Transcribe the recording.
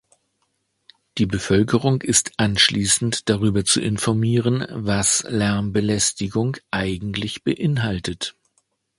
Die Bevölkerung ist anschließend darüber zu informieren, was Lärmbelastung eigentlich beinhaltet.